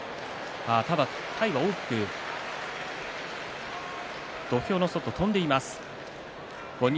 ただ体が大きく土俵の外、跳んでいます。